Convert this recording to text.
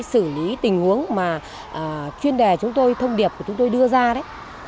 xử lý tình huống mà chuyên đề chúng tôi thông điệp của chúng tôi đưa ra đấy